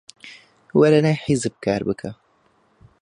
وەرە لای حیزب کار بکە.